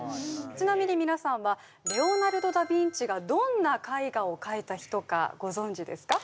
ちなみに皆さんはレオナルド・ダ・ヴィンチがどんな絵画を描いた人かご存じですか？